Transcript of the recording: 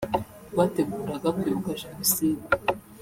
rwateguraga kwibuka jenoside